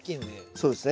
そうですね。